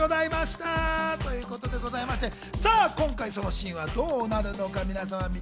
今回そのシーンはどうなるのか。